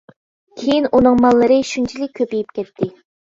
كېيىن ئۇنىڭ ماللىرى شۇنچىلىك كۆپىيىپ كەتتى.